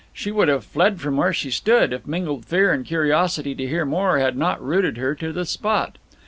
She would have fled from where she stood, if mingled fear and curiosity to hear more had not rooted her to the spot.